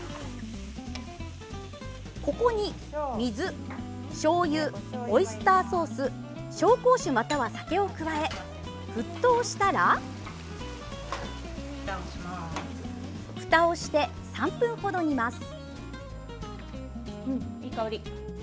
ここに、水、しょうゆオイスターソース紹興酒、または酒を加え沸騰したらふたをして３分ほど煮ます。